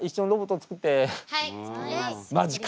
マジか。